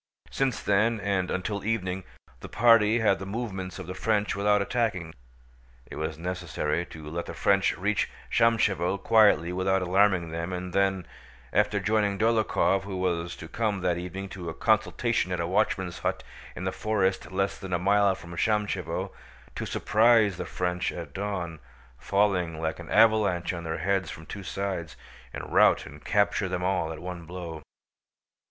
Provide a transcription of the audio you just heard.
Since then, and until evening, the party had watched the movements of the French without attacking. It was necessary to let the French reach Shámshevo quietly without alarming them and then, after joining Dólokhov who was to come that evening to a consultation at a watchman's hut in the forest less than a mile from Shámshevo, to surprise the French at dawn, falling like an avalanche on their heads from two sides, and rout and capture them all at one blow.